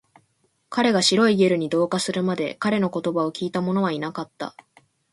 彼が白いゲルに同化するまで、彼の言葉を聞いたものはいなかった